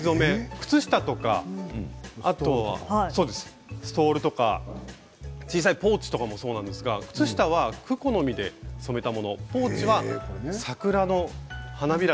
靴下とかストールとか小さいポーチもそうなんですけど靴下はクコの実で染めました。